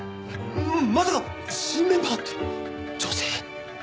まさか新メンバーって女性？